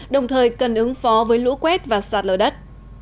đồng thời cần ứng phó với lũ quét và sạt lở đất